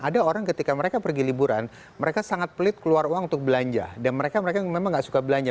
ada orang ketika mereka pergi liburan mereka sangat pelit keluar uang untuk belanja dan mereka mereka memang nggak suka belanja